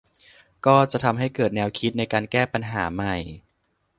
ก็จะทำให้เกิดแนวคิดในการแก้ปัญหาใหม่